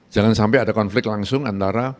jangan sampai ada konflik langsung antara